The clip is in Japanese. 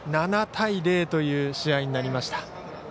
７対０という試合になりました。